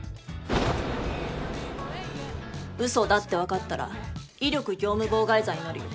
うそだって分かったら威力業務妨害罪になるよ。